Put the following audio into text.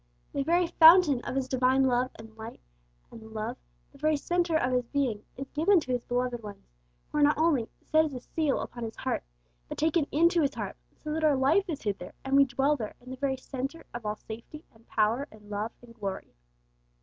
The very fountain of His divine life, and light, and love, the very centre of His being, is given to His beloved ones, who are not only 'set as a seal upon His heart,' but taken into His heart, so that our life is hid there, and we dwell there in the very centre of all safety, and power, and love, and glory.